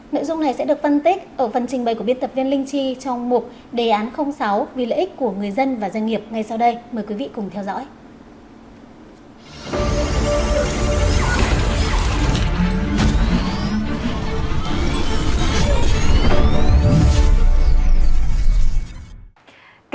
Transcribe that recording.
nội dung này sẽ được phân tích ở phần trình bày của biên tập viên linh chi trong mục đề án sáu vì lợi ích của người dân và doanh nghiệp ngay sau đây mời quý vị cùng theo dõi